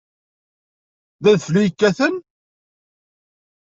D adfel i yekkaten?